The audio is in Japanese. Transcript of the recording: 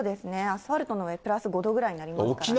アスファルトの上、プラス５度ぐらいになりますからね。